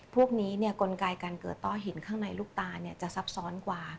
พวกนี้กลไกการเกิดต้อหินข้างในลูกตาจะซับซ้อนกว่า